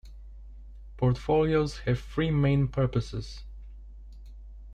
Portfolios have three main purposes.